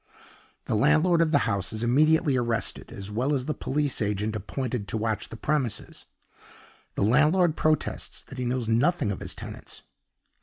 The landlord of the house is immediately arrested, as well as the police agent appointed to watch the premises. The landlord protests that he knows nothing of his tenants.